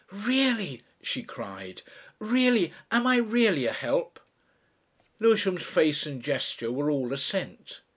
"Really!" she cried, "Really! Am I really a help?" Lewisham's face and gesture, were all assent.